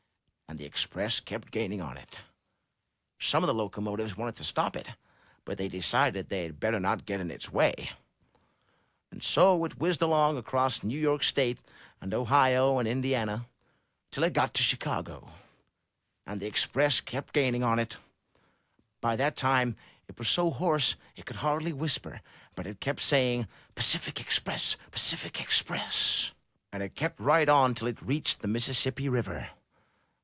And the Express kept gaining on it. Some of the locomotives wanted to stop it, but they decided they had better not get in its way, and so it whizzed along across New York State and Ohio and Indiana, till it got to Chi cago. And the Express kept gaining on it. By that 347 M Y BOOK HOUSE time it was so hoarse it could hardly whisper, but it kept saying, Tacific Express! Pacific Express!' and it kept right on till it reached the Mississippi River.